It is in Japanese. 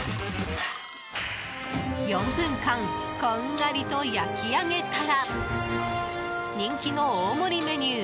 ４分間こんがりと焼き上げたら人気の大盛りメニュー